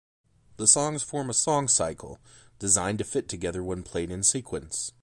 The songs form a song cycle, designed to fit together when played in sequence.